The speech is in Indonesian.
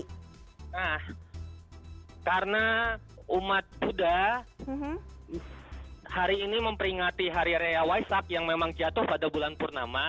nah karena umat buddha hari ini memperingati hari raya waisak yang memang jatuh pada bulan purnama